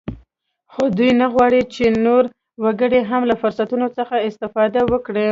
خو دوی نه غواړ چې نور وګړي هم له فرصتونو څخه استفاده وکړي